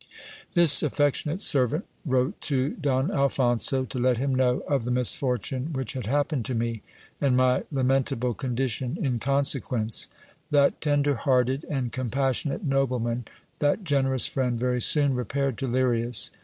This affectionate servant wrote to Don Alphonso, to let him know of the misfortune which had happened to me, and my lamentable condition in con sequence. That tender hearted and compassionate nobleman, that generous friend, very soon repaired to Lirias.